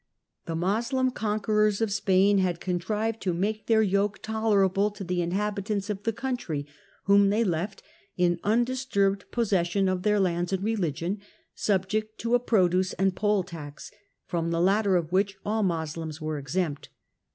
The Moslem conquerors of Spain had contrived to CHARLES MARTEL 109 laake their yoke tolerable to the inhabitants of the The ountry, whom they left in undisturbed possession ofs pa i n iheir lands and religion, subject to a produce and poll tax, rom the latter of which all Moslems were exempt.